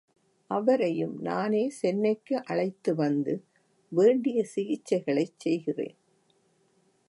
அவரையும் நானே சென்னைக்கு அழைத்து வந்து வேண்டிய சிகிச்சைகளைச் செய்கிறேன்.